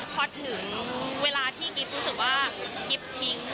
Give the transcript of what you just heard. พอถึงเวลาที่กิ๊บรู้สึกว่ากิ๊บทิ้ง